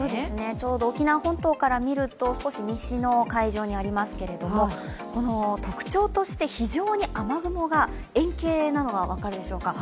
ちょうど沖縄本島から見ると、少し西の海上にありますけどこの特徴として非常に雨雲が円形なのが分かるでしょうか。